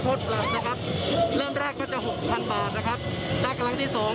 ปรับนะครับเริ่มแรกก็จะหกพันบาทนะครับถ้ากำลังที่สอง